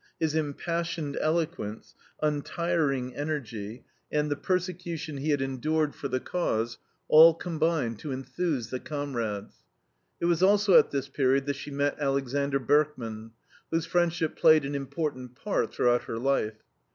His impassioned eloquence, untiring energy, and the persecution he had endured for the Cause, all combined to enthuse the comrades. It was also at this period that she met Alexander Berkman, whose friendship played an important part throughout her life.